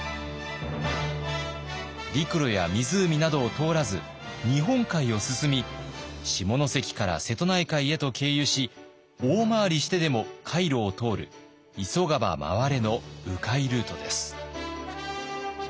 陸路や湖などを通らず日本海を進み下関から瀬戸内海へと経由し大回りしてでも海路を通る急がば回れのう回ルートです。